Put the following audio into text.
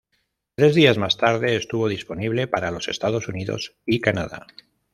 Tres días más tarde, estuvo disponible para los Estados Unidos y Canadá.